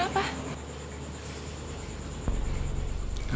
aku pengen pergi